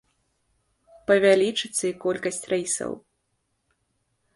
Павялічыцца і колькасць рэйсаў.